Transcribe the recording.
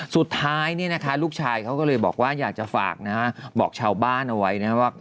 สุดท้ายลูกชายเขาก็เลยบอกว่าอยากจะฝากนะฮะบอกชาวบ้านเอาไว้นะครับว่า